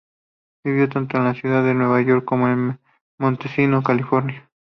Vivió tanto en la ciudad de Nueva York como en Montecito, California.